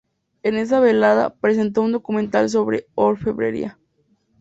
En esa velada, presentó un documental sobre orfebrería.